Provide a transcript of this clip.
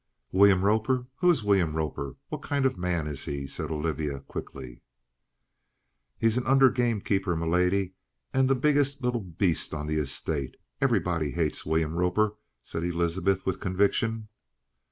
"William Roper? Who is William Roper? What kind of a man is he?" said Olivia quickly. "He's an under gamekeeper, m'lady, and the biggest little beast on the estate. Everybody hates William Roper," said Elizabeth with conviction.